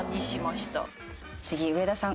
次上田さん